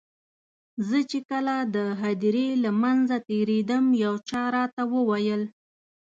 زه چې کله د هدیرې له منځه تېرېدم یو چا راته وویل.